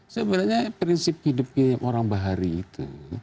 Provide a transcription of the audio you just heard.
sebenarnya prinsip hidupnya orang bahari itu